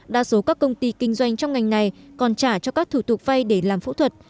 đa số các công ty kinh doanh trong ngành này còn trả cho các thủ tục vay để làm phẫu thuật